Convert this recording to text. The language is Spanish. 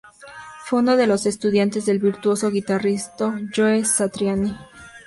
Fue uno de los estudiantes del virtuoso guitarrista Joe Satriani.